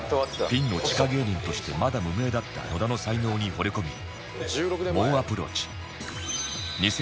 ピンの地下芸人としてまだ無名だった野田の才能に惚れ込み猛アプローチ